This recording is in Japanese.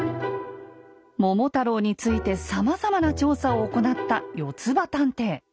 桃太郎についてさまざまな調査を行ったよつば探偵。